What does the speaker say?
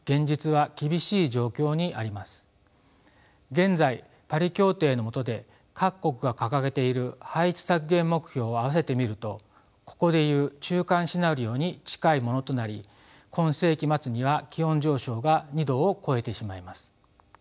現在パリ協定の下で各国が掲げている排出削減目標をあわせてみるとここで言う中間シナリオに近いものとなり今世紀末には気温上昇が２℃を超えてしまいます。